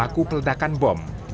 dan juga pelaku peledakan bom